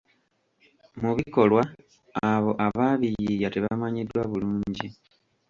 Mu bikolwa abo abaabiyiiya tebamanyiddwa bulungi.